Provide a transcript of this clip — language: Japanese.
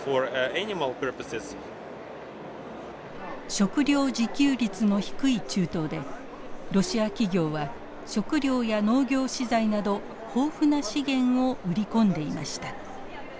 食料自給率の低い中東でロシア企業は食料や農業資材など豊富な資源を売り込んでいました。